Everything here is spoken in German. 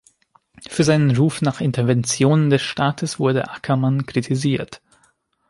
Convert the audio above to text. Für seinen Ruf nach Interventionen des Staates wurde Ackermann kritisiert.